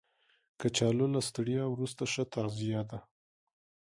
کچالو له ستړیا وروسته ښه تغذیه ده